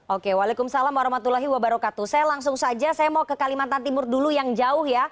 oke waalaikumsalam warahmatullahi wabarakatuh saya langsung saja saya mau ke kalimantan timur dulu yang jauh ya